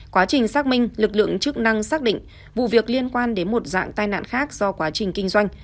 quá trình xác minh lực lượng chức năng xác định vụ việc liên quan đến một dạng tai nạn khác do quá trình kinh doanh